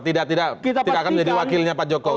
tidak akan menjadi wakilnya pak jokowi